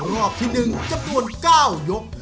รอบที่๑จำนวน๙ยก